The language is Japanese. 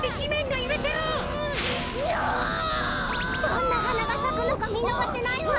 どんなはながさくのかみのがせないわ！